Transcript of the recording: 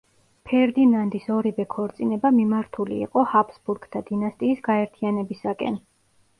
ფერდინანდის ორივე ქორწინება მიმართული იყო ჰაბსბურგთა დინასტიის გაერთიანებისაკენ.